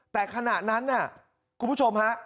แต่ขณะนั้นคุณผู้ชมฮะ